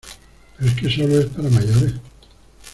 pero es que solo es para mayores.